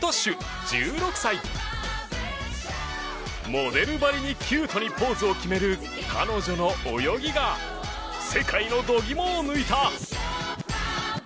モデルばりにキュートにポーズを決める彼女の泳ぎが世界の度肝を抜いた！